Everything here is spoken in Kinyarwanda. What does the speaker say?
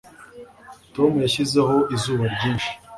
Tom yashyizeho izuba ryinshi